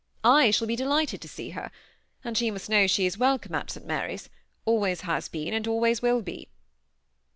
/shall be delighted to see her, and she must know she is welcome at St. Mary's — always has been, and always will be."